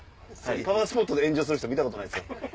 パワースポットで炎上する人見たことないですよ。